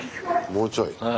もうちょい。